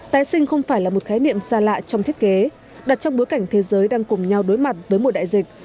tái sinh không phải là một khái niệm xa lạ trong thiết kế đặt trong bối cảnh thế giới đang cùng nhau đối mặt với mùa đại dịch